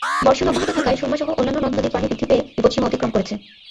বর্ষণ অব্যাহত থাকায় সুরমাসহ অন্যান্য নদ-নদীর পানি বৃদ্ধি পেয়ে বিপৎসীমা অতিক্রম করেছে।